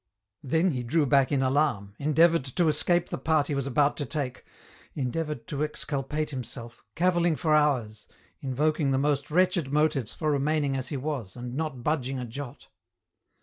Then he drew back in alarm, endeavoured to escape the part he was about to take, endeavoured to exculpate himself, cavilling for hours, invoking the most wretched motives for remaining as he was, and not budging a jot.